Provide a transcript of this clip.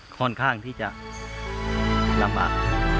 ค่อนข้างที่จะลำบาก